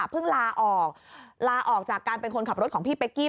ลาออกลาออกจากการเป็นคนขับรถของพี่เป๊กกี้